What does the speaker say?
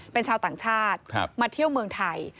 เป็นชาวต่างชาติมาเที่ยวเมืองไทย